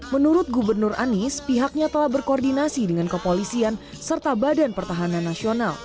menurut gubernur anies pihaknya telah berkoordinasi dengan kepolisian serta badan pertahanan nasional